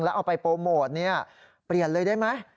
แล้วเอาไปโปรโมทเปลี่ยนเลยได้ไหม